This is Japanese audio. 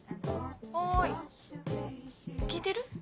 おい聞いてる？